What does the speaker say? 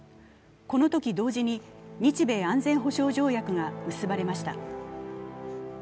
このとき同時に日米安全保障条約が結ばれました。